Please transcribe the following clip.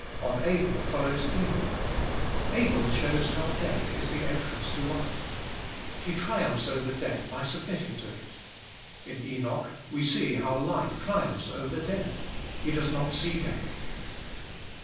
On Abel follows Enoch. Abel shows how death is the entrance to life : he triumphs over death by submitting to it. In Enoch, we see how life triumphs over death : he does not see death.